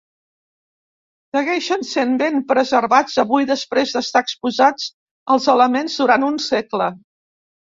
Segueixen sent ben preservats avui després d'estar exposats als elements durant un segle.